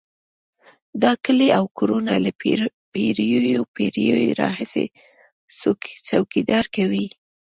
دا کلي او کورونه له پېړیو پېړیو راهیسې څوکیداري کوي.